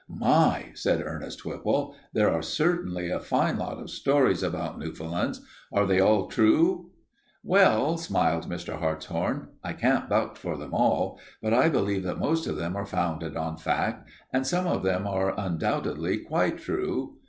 "My!" said Ernest Whipple, "there are certainly a fine lot of stories about Newfoundlands. Are they all true?" "Well," smiled Mr. Hartshorn, "I can't vouch for them all, but I believe that most of them are founded on fact, and some of them are undoubtedly quite true.